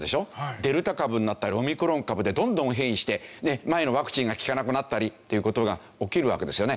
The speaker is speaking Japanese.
デルタ株になったりオミクロン株でどんどん変異して前のワクチンが効かなくなったりという事が起きるわけですよね。